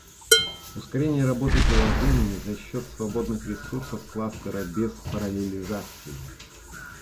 Ускорение работы приложений за счет свободных ресурсов кластера без параллелизации